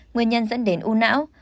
nguyên nhân dẫn đến u não